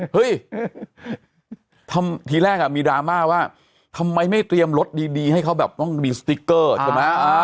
เฮ้ยทีแรกมีดราม่าว่าทำไมไม่เตรียมรถดีให้เขาแบบต้องมีสติ๊กเกอร์ใช่ไหม